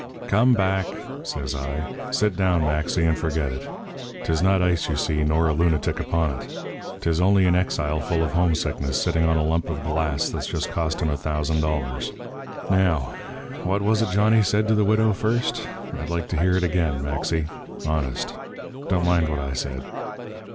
"'Come back,' says I. 'Sit down, Maxy, and forget it. 'Tis not ice you see, nor a lunatic upon it. 'Tis only an exile full of homesickness sitting on a lump of glass that's just cost him a thousand dollars. Now, what was it Johnny said to the widow first? I'd like to hear it again, Maxy honest. Don't mind what I said.'